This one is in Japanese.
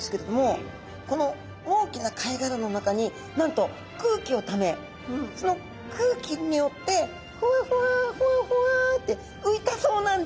この大きな貝殻の中になんと空気をためその空気によってふわふわふわふわってういたそうなんです。